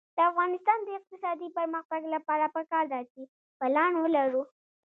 د افغانستان د اقتصادي پرمختګ لپاره پکار ده چې پلان ولرو.